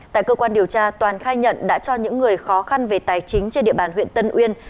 tại cơ quan điều tra toàn khai nhận đã cho những người khó khăn về tài chính trên địa bàn huyện tân uyên